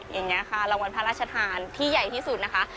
อย่างนี้ค่ะรางวัลพระราชทานที่ใหญ่ที่สุดนะคะ